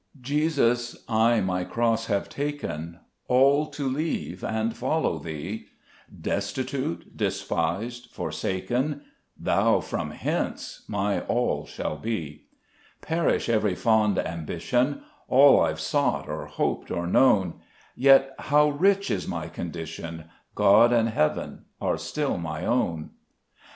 JESUS, I my cross have taken, All to leave, and follow Thee ; Destitute, despised, forsaken, Thou, from hence, my all shalt be : Perish every fond ambition, All I've sought, or hoped, or known ; Yet how rich is my condition, God and heaven are still my own.